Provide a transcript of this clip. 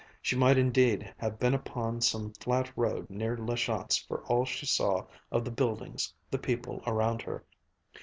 She might indeed have been upon some flat road near La Chance for all she saw of the buildings, the people around her.